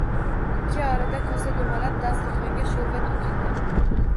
Ikki orada kosa dumalab, dasturxonga sho‘rva to‘kildi.